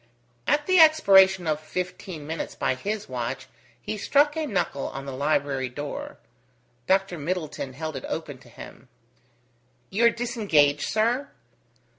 At the expiration of fifteen minutes by his watch, he struck a knuckle on the library door. Dr. Middleton held it open to him. "You are disengaged, sir?"